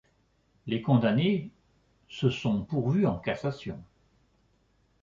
Les condamnés se sont pourvus en cassation.